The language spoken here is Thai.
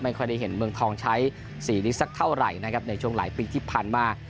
ค่อยได้เห็นเมืองทองใช้สีนี้สักเท่าไหร่นะครับในช่วงหลายปีที่ผ่านมา